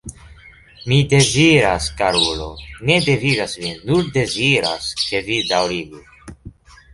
Mi deziras, karulo, ne devigas vin, nur deziras, ke vi daŭrigu.